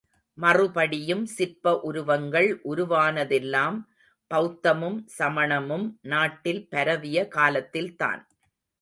மறுபடியும் சிற்ப உருவங்கள் உருவானதெல்லாம் பௌத்தமும் சமணமும் நாட்டில் பரவிய காலத்தில்தான்.